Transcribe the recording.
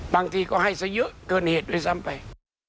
บางทีก็ให้ซะเยอะเกินเหตุด้วยซ้ำไป